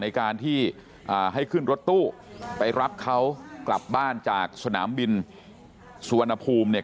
ในการที่ให้ขึ้นรถตู้ไปรับเขากลับบ้านจากสนามบินสุวรรณภูมิเนี่ย